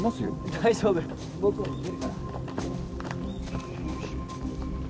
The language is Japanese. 大丈夫僕も逃げるから。